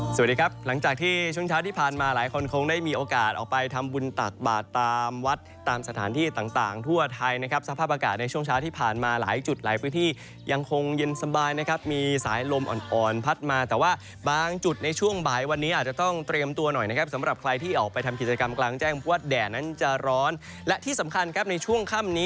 สวัสดีครับหลังจากที่ช่วงเช้าที่ผ่านมาหลายคนคงได้มีโอกาสออกไปทำบุญตักบาตรตามวัดตามสถานที่ต่างทั่วไทยนะครับสภาพอากาศในช่วงเช้าที่ผ่านมาหลายจุดหลายพื้นที่ยังคงเย็นสบายนะครับมีสายลมอ่อนพัดมาแต่ว่าบางจุดในช่วงบ่ายวันนี้อาจจะต้องเตรียมตัวหน่อยนะครับสำหรับใครที่ออกไปทำกิจกรรม